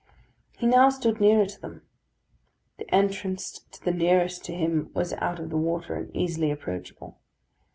He now stood nearer to them. The entrance to the nearest to him was out of the water, and easily approachable.